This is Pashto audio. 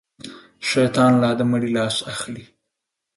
شيطان لا د مړي لاس اخلي.